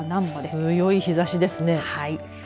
強い日ざしですね。